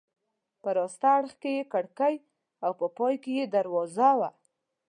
په راسته اړخ کې یې کړکۍ او په پای کې یې دروازه وه.